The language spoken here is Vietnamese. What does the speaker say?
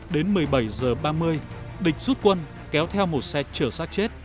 đến một mươi bảy giờ ba mươi địch rút quân kéo theo một xe trở sát chết